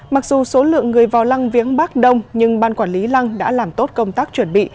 mặc dù số lượng người vào lăng viếng bác đông nhưng ban quản lý lăng đã làm tốt công tác chuẩn bị